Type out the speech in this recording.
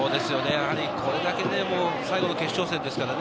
これだけ最後の決勝戦ですからね。